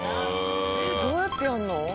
どうやってやるの？